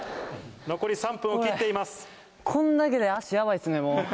残り３分を切っています。